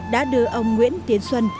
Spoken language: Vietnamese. đã đưa ông nguyễn tiến xuân